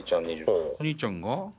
お兄ちゃんが？